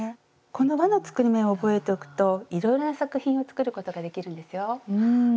この「わの作り目」を覚えておくといろいろな作品を作ることができるんですよ。